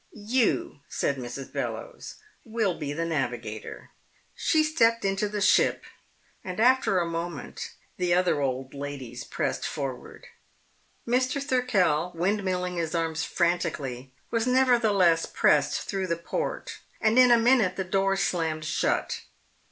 "You," said Mrs. Bellowes, "will be the navigator." She stepped into the ship, and after a moment, the other old ladies pressed forward. Mr. Thirkell, windmilling his arms frantically, was nevertheless pressed through the port, and in a minute the door slammed shut.